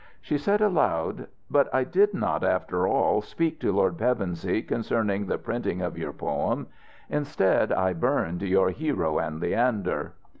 She said, aloud: "But I did not, after all, speak to Lord Pevensey concerning the printing of your poem. Instead, I burned your 'Hero and Leander'."